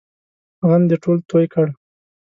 غم دې ټول توی کړل!